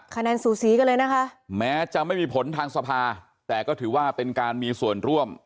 คะแนนสูสีกันเลยนะคะแม้จะไม่มีผลทางสภาแต่ก็ถือว่าเป็นการมีส่วนร่วม